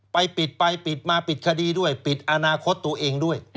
ไปปิดไปปิดมาปิดคดีด้วยปิดอนาคตตัวเองด้วย